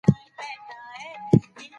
د ټولنیز عدالت لپاره مبارزه کيږي.